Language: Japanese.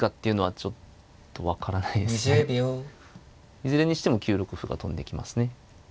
いずれにしても９六歩が飛んできますね。